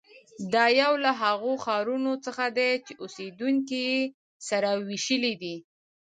دا یو له هغو ښارونو څخه دی چې اوسېدونکي یې سره وېشلي دي.